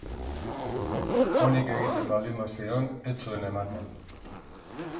Onik egiten baldin bazion, ez zuen ematen.